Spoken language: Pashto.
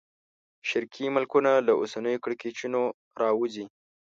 شرقي ملکونه له اوسنیو کړکېچونو راووځي.